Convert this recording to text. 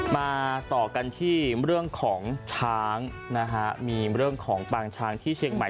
มาต่อกันที่เรื่องของช้างนะฮะมีเรื่องของปางช้างที่เชียงใหม่